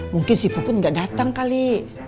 mungkin si pupin gak datang kali